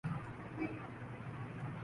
تعلیم کے لیے ایک بجٹ مختص کیا جاتا ہے